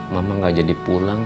mama nggak jadi pulang